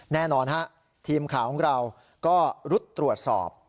แน่นอนฮะทีมข่าวของเราก็รุดตรวจสอบ